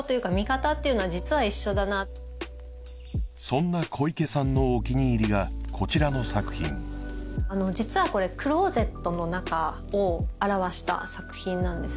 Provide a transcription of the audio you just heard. そんな小池さんのお気に入りがこちらの作品実はこれクローゼットの中を表した作品なんですね